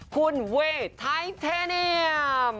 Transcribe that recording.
คุณเวย์ไทเทเนียม